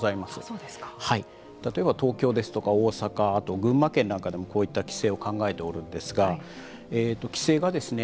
例えば東京ですとか大阪あと群馬県なんかでもこういった規制を考えておるんですが規制がですね